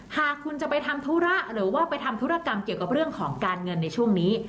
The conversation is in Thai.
หากคุณจะไปทำธุระหรือว่าไปทำธุรกรรมเกี่ยวกับเรื่องของการเงินในช่วงนี้